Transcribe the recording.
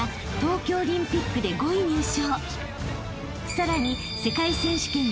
［さらに］